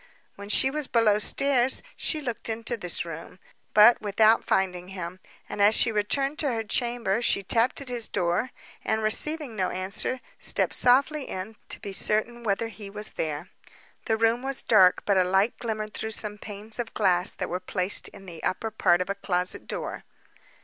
When she was below stairs she looked into this room, but without finding him; and as she returned to her chamber, she tapped at his door, and receiving no answer, stepped softly in, to be certain whether he was there. The room was dark, but a light glimmered through some panes of glass that were placed in the upper part of a closet door.